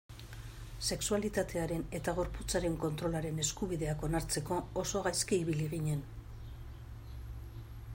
Sexualitatearen eta gorputzaren kontrolaren eskubideak onartzeko oso gaizki ibili ginen.